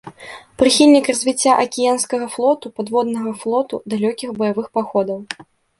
Прыхільнік развіцця акіянскага флоту, падводнага флоту, далёкіх баявых паходаў.